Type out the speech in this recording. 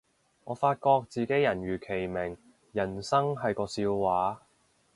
我發覺自己人如其名，人生係個笑話